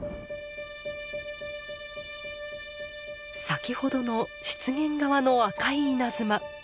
先ほどの湿原側の赤い稲妻。